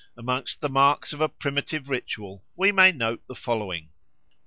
Amongst the marks of a primitive ritual we may note the following: 1.